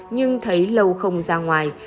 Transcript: nhưng thấy lâu không ra ngoài